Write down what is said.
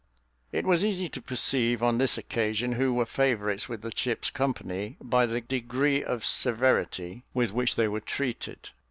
It was easy to perceive, on this occasion, who were favourites with the ship's company, by the degree of severity with which they were treated.